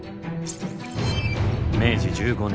明治１５年。